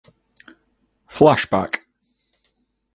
Flashback.